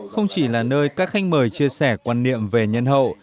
không chỉ là nơi các khách mời chia sẻ quan niệm về nhân hậu